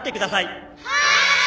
はい。